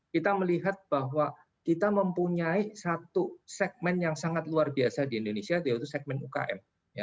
kita melihat bahwa kita mempunyai satu segmen yang sangat luar biasa di indonesia yaitu segmen ukm